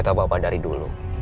ketika bapak dari dulu